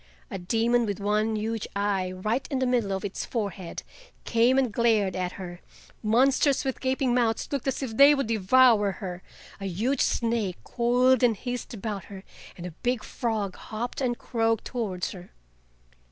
A demon with one huge eye right in the middle of its forehead came and glared at her, monsters with gaping mouths looked as if they would devour her, a huge snake coiled and hissed about her, and a big frog hopped and croaked towards her.